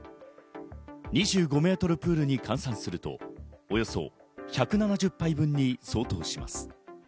２５ｍプールに換算すると、およそ１７０杯分に相当します。